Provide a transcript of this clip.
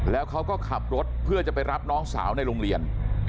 แล้วเขาก็ขับรถเพื่อจะไปรับน้องสาวในโรงเรียน